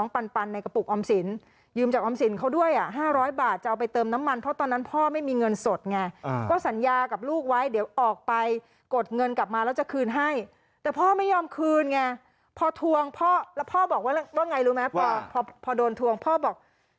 พ่อไม่ยอมคืนไงพอทวงพ่อแล้วพ่อบอกว่าว่าไงรู้ไหมว่าพอโดนทวงพ่อบอก